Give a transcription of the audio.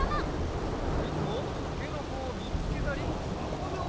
いつもたけのこをみつけたりはこぶ